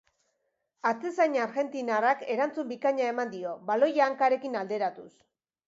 Atezain argentinarrak erantzun bikaina eman dio, baloia hankarekin alderatuz.